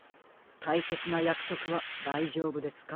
たいせつなやくそくはだいじょうぶですか？